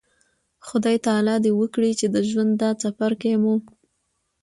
خدای تعالی د وکړي چې د ژوند دا څپرکی مو